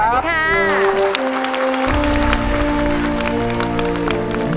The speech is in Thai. สวัสดีค่ะ